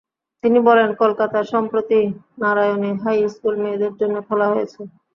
তিনি বললেন, কলকাতায় সম্প্রতি নারায়ণী হাই স্কুল মেয়েদের জন্যে খোলা হয়েছে।